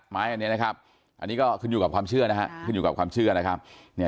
ไม้อันนี้นะครับอันนี้ก็ขึ้นอยู่กับความเชื่อนะฮะ